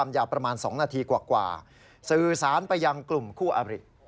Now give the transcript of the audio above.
มาแล้วเดี๋ยวด้วย